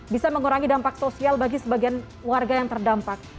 bisa mengurangi dampak sosial bagi sebagian warga yang terdampak